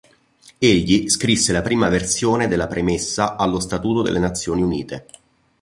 Egli scrisse la prima versione della premessa allo Statuto delle Nazioni Unite.